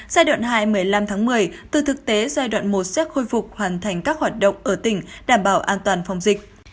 giai đoạn hai một mươi năm tháng một mươi từ thực tế giai đoạn một sẽ khôi phục hoàn thành các hoạt động ở tỉnh đảm bảo an toàn phòng dịch